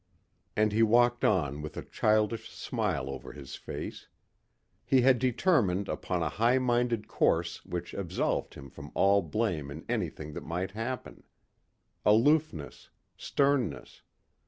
And he walked on with a childish smile over his face. He had determined upon a high minded course which absolved him from all blame in anything that might happen. Aloofness, sternness.